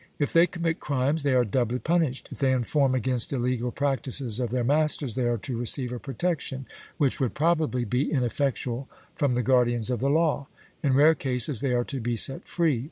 If they commit crimes, they are doubly punished; if they inform against illegal practices of their masters, they are to receive a protection, which would probably be ineffectual, from the guardians of the law; in rare cases they are to be set free.